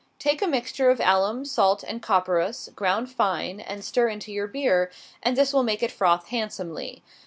Take a mixture of alum, salt, and copperas, ground fine, and stir into your beer, and this will make it froth handsomely.